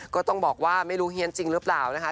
ก็ต้องบอกว่าไม่รู้เฮียนจริงหรือเปล่านะคะ